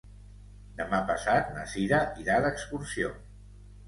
Demà passat na Cira irà d'excursió.